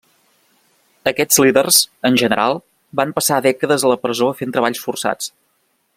Aquests líders, en general, van passar dècades a la presó fent treballs forçats.